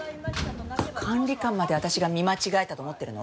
管理官まで私が見間違えたと思ってるの？